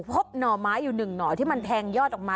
หน่อไม้อยู่หนึ่งหน่อที่มันแทงยอดออกมา